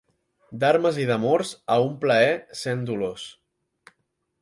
D'armes i d'amors, a un plaer, cent dolors.